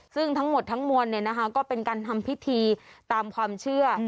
ซึ่งทั้งหมดทั้งมวลก็เป็นการทำพิธีตามความเชื่อ